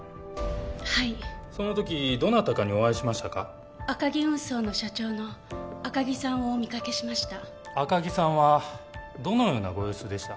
はいそのときどなたかに会いましたか赤木運送の社長の赤木さんをお見かけしました赤木さんはどのようなご様子でした？